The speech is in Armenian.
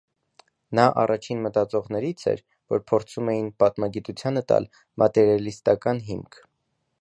Նա առաջին մտածողներից էր, որոնք փորձում էին պատմագիտությանը տալ մատերիալիստական հիմք։